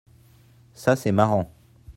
Ça c'est marrant